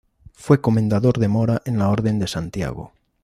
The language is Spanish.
Fue comendador de Mora en la Orden de Santiago.